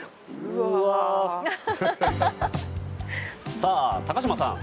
さあ、高島さん